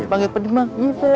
panggil pedi bang